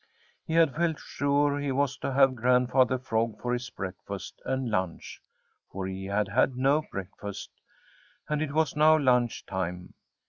He had felt sure he was to have Grandfather Frog for his breakfast and lunch, for he had had no breakfast, and it was now lunch time.